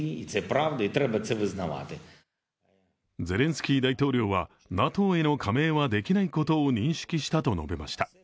ゼレンスキー大統領はＮＡＴＯへの加盟はできないことを認識したと述べました。